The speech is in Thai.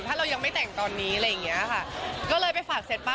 ถ้าเรายังไม่แต่งตอนนี้อะไรอย่างเงี้ยค่ะก็เลยไปฝากเสร็จป๊